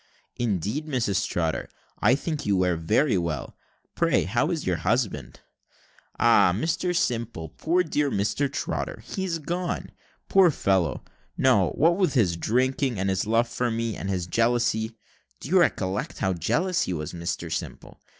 "Indeed, Mrs Trotter, I think you wear very well. Pray how is your husband?" "Ah, Mr Simple, poor dear Mr Trotter he's gone. Poor fellow, no what with his drinking, and his love for me and his jealousy (do you recollect how jealous he was, Mr Simple?)